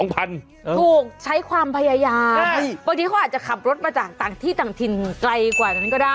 ถูกใช้ความพยายาม